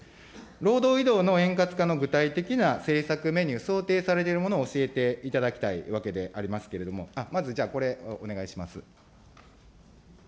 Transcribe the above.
労働移動の円滑化の具体的な政策メニュー、想定されているものを教えていただきたいわけでありますけれども、まずじゃあ、これ、お願いします。